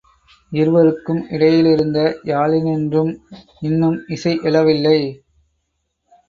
இருவருக்கும் இடையிலிருந்த யாழினின்றும் இன்னும் இசை எழவில்லை.